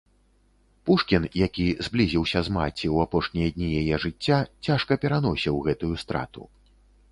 Пушкін, які зблізіўся з маці ў апошнія дні яе жыцця, цяжка пераносіў гэтую страту.